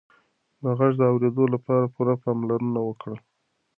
د غږ د اورېدو لپاره پوره پاملرنه وکړه.